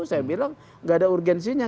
saya bilang nggak ada urgensinya